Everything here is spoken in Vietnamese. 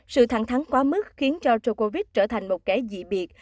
sự thẳng thắng quá mức khiến cho djokovic trở thành một kẻ dị biệt